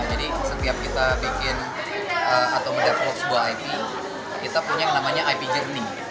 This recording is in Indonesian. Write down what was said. jadi setiap kita bikin atau mendevelop sebuah ip kita punya yang namanya ip journey